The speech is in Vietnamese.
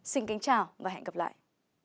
xin kính chào và hẹn gặp lại